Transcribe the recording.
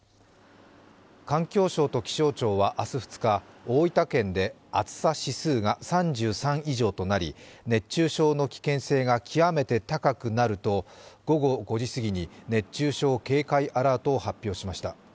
環境省と気象庁は明日２日、大分県で暑さ指数が３３以上となり熱中症の危険性が極めて高くなると午後５時すぎに、熱中症警戒アラートを発表しました。